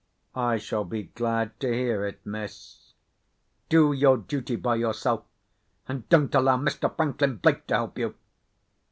"I shall be glad to hear it, miss." "Do your duty by yourself—and don't allow Mr Franklin Blake to help you!"